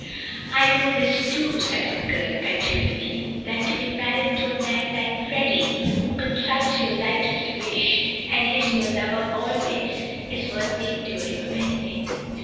"I know this too," says the girl, petulantly, "that to be married to a man like Freddy, who consults your lightest wish, and is your lover always, is worth the enduring of anything."